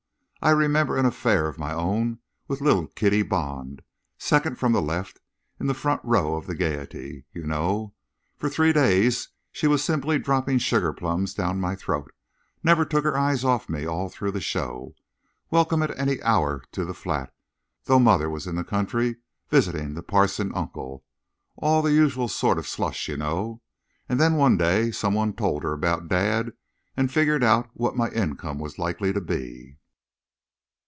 I remember an affair of my own with little Kitty Bond second from the left in the front row of the Gaiety, you know. For three days she was simply dropping sugarplums down my throat, never took her eyes off me all through the show, welcome at any hour to the flat, though mother was in the country visiting the parson uncle all the usual sort of slush, you know. And then one day some one told her about dad and figured out what my income was likely to be.